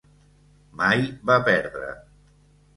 Mai va perdre.